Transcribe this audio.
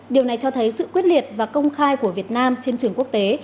điều này cho thấy sự quyết liệt và công khai của việt nam trên trường quốc tế